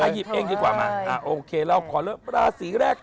เอาหยิบเองทีกว่ามาอะโอเคแล้วขอร้ายละลาสีได้